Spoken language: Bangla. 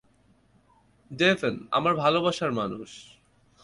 ডেভন, আমার ভালোবাসার মানুষ।